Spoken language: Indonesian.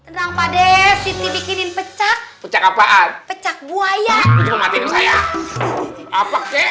tenang pades siti bikinin pecak pecak apaan pecak buaya